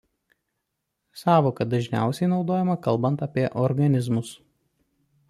Sąvoka dažniausiai naudojama kalbant apie organizmus.